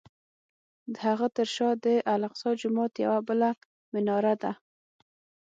د هغه تر شا د الاقصی جومات یوه بله مناره ده.